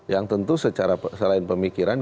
yang tentu selain pemikiran